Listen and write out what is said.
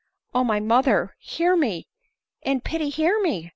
" O my mother, hear me, in pity hear me